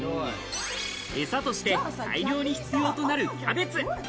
えさとして大量に必要となるキャベツ。